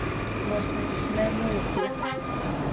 ¿Moosni quij me moiicöya?